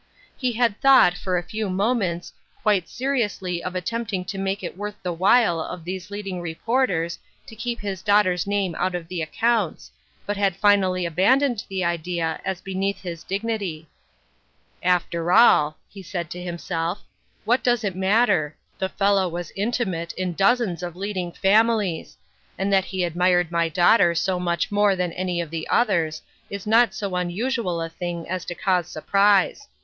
He had thought, for a few moments, quite seriously of attempting to make it worth the while of these leading reporters to keep his daughter's name out of the accounts, but had finally abandoned the idea as beneath his dignity. " After all," he said to himself, " what does it matter ? The fellow was intimate in dozens of leading families ; and that he admired my daughter so much more than any of the others, is not so unusual a thing as to cause surprise.